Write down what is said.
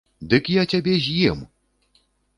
Дык я цябе з'ем!